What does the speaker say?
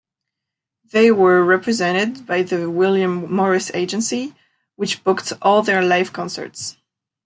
They were represented by the William Morris Agency, which booked all their live concerts.